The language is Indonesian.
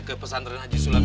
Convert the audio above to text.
ke pesan tereng haji sulaw